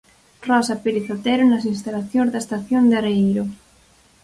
Rosa Pérez Otero nas instalacións da estación de Areeiro.